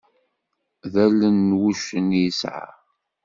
D allen n wuccen i yesɛa.